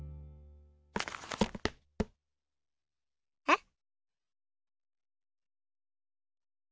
えっ？